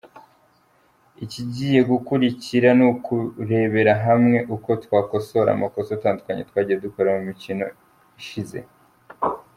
Ikigiye gukurikira ni ukurebera hamwe uko twakosora amakosa atandukanye twagiye dukora mu mikino ishize.